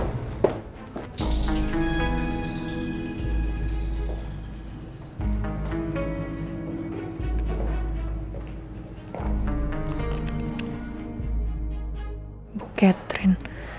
dimana ya bucis